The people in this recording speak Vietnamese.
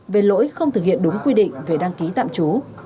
về lỗi không thực hiện đúng quy định về đăng ký tạm trú